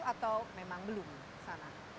atau memang belum sana